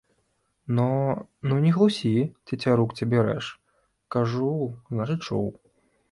Но, но, не хлусі, цецярук цябе рэж, кажу, значыць, чуў.